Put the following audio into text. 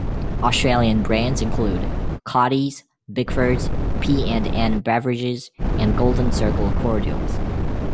Australian brands include Cottee's, Bickford's, P and N Beverages and Golden Circle cordials.